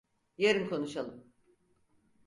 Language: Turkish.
Yarın konuşalım.